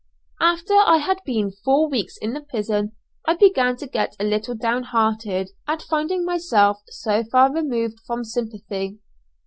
After I had been four weeks in the prison I began to get a little downhearted at finding myself so far removed from sympathy.